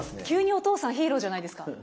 急にお父さんヒーローじゃないですか。